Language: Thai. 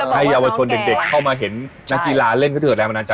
ให้เยาวชนเด็กเข้ามาเห็นนักกีฬาเล่นเขาเถิดแรงบันดาลใจ